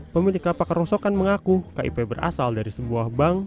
pemilik lapak rongsokan mengaku kip berasal dari sebuah bank